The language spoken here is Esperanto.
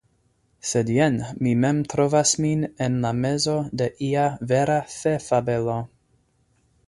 Sed jen mi mem trovas min en la mezo de ia vera fefabelo!